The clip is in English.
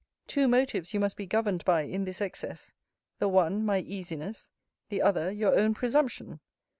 Two motives you must be governed by in this excess. The one my easiness; the other your own presumption.